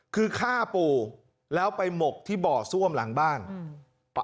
คือฆ่าปู่แล้วไปหมกที่บ่อซ่วมหลังบ้านอืม